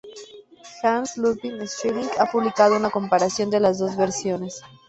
Hans-Ludwig Schilling ha publicado una comparación de las dos versiones.